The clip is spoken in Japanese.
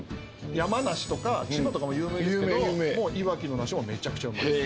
山梨とか千葉とかも有名ですけどもういわきの梨もめちゃくちゃうまいです。